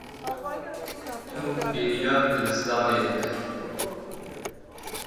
Ew bêriya dibistanê dikin.